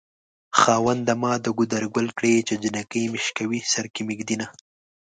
خاونده ما د ګودر ګل کړې چې جنکۍ مې شوکوي سر کې مې ږدينه